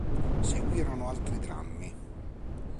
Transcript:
Seguirono altri drammi.